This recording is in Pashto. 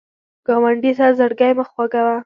ګاونډي سره زړګی مه خوږوه